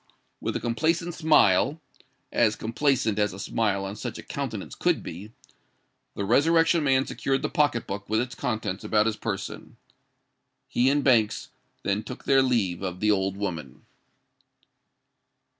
With a complacent smile—as complacent as a smile on such a countenance could be—the Resurrection Man secured the pocket book with its contents about his person. He and Banks then took their leave of the old woman.